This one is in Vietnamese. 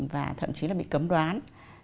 và thậm chí là bị cấm đoán